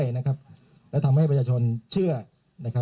ลองไปฟังจากปากรองผู้ประชาการตำรวจภูทรภาคหนึ่งท่านตอบอย่างไรครับ